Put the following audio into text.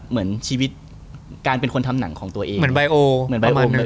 เหมือนชีวิตการเป็นคนทำหนังของตัวเองเหมือนประมาณหนึ่ง